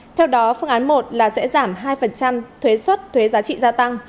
theo đó phương án một là sẽ giảm hai thuế xuất thuế giá trị gia tăng